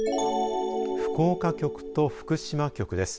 福岡局と福島局です。